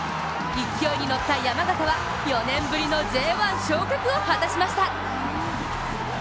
勢いに乗った山形は４年ぶりのＪ１昇格を果たしました。